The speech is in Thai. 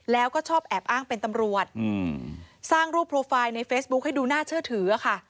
แล้วก็ชอบแอบอ้างเป็นตำรวจสร้างรูปโปรไฟล์ในเฟซบุ๊คให้ดูน่าเชื่อถือค่ะ